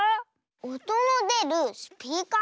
おとのでるスピーカー？